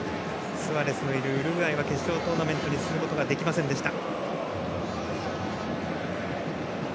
スアレスのいるウルグアイは決勝トーナメントに進むことができませんでした。